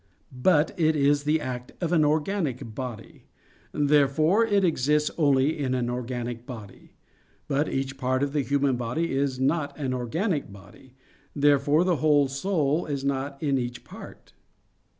But it is the act of an organic body. Therefore it exists only in an organic body. But each part of the human body is not an organic body. Therefore the whole soul is not in each part.